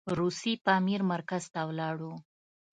روسي پامیر مرکز ته ولاړو.